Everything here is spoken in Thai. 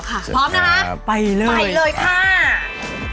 พร้อมนะครับไปเลยค่ะ